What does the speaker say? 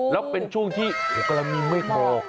แล้วเป็นช่วงที่กรณีไม่พอ